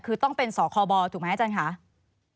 คือต้องเป็นสคบถูกไหมอาจารย์ค่ะ